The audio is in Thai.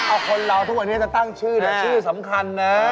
อ้าคนราวทุกคนจะตั้งชื่อนะชื่อสำคัญนะ